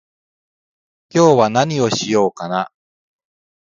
今日は何をしようかな